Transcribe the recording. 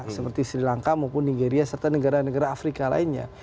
seperti sri lanka maupun nigeria serta negara negara afrika lainnya